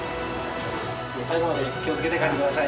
最後まで気をつけて帰ってください。